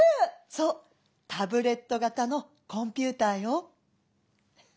「そうタブレット型のコンピューターよ。